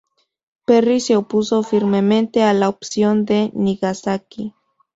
Perry se opuso firmemente a la opción de Nagasaki.